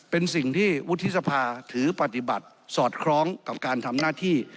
เป็นสิ่งที่วุฒิสภาถือปฏิบัติสอดคล้องกับการทำหน้าที่